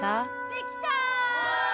できたー！